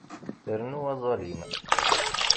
Rnu aẓalim.